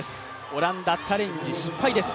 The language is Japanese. オランダ、チャレンジ失敗です。